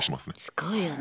すごいよね。